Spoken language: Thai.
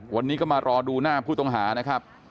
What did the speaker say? วันนี้ก็มารอดูหน้าผู้ต้องหานะครับ